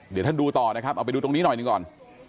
เดี๋ยวท่านดูต่อนะครับเอาไปดูตรงนี้หน่อยหนึ่งก่อน